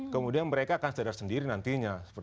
kemudian mereka akan sadar sendiri nantinya